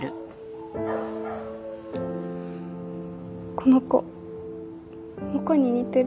この子モコに似てる。